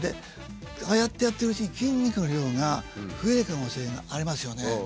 ああやってやってるうちに筋肉の量が増える可能性がありますよね。